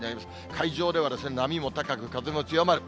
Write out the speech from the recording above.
海上では波も高く、風も強まる。